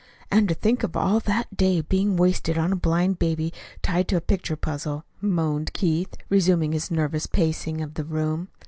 "And to think of all that to day being wasted on a blind baby tied to a picture puzzle," moaned Keith, resuming his nervous pacing of the room.